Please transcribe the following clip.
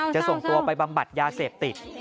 จะส่งตัวไปบำบัดยาเสพติด